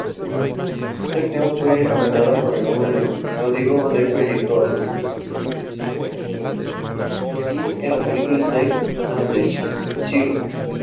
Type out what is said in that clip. Big" en la película "Sex and the City".